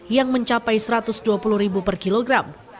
yang mencapai satu ratus dua puluh ribu per kilogram